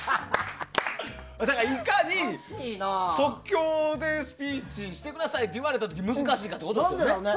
いかに即興でスピーチしてくださいって言われた時難しいかってことですよね。